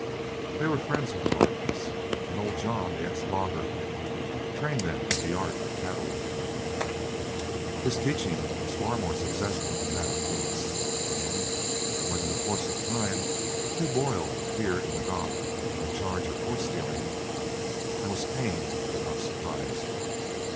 They were friends of the Bartons, and Old John, the ex flogger, trained them in the art of cattle lifting. His teaching was far more successful than that of Philip's, and when in course of time Hugh Boyle appeared in the dock on a charge of horse stealing, I was pained but not surprised.